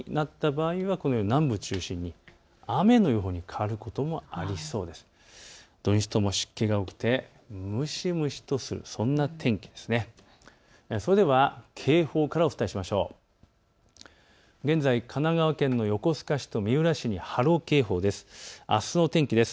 土日とも湿気が多くて蒸し蒸しとする、そんな天気です。